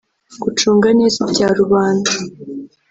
“Gucunga neza ibya rubanda”